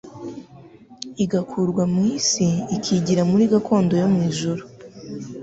igakurwa mu isi ikigira muri gakondo yo mu ijuru.